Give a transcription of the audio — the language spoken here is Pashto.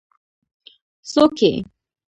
ـ څوک یې؟